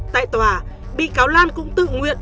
tại tòa bị cáo lan cũng tự nguyện